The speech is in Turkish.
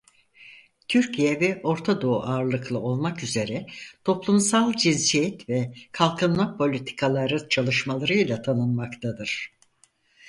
Türkiye ve Ortadoğu ağırlıklı olmak üzere toplumsal cinsiyet ve kalkınma politikaları çalışmalarıyla tanınmaktadır.